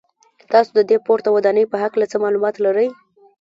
تاسو د دې پورته ودانۍ په هکله څه معلومات لرئ.